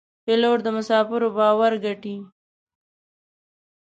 پیلوټ د مسافرو باور ګټي.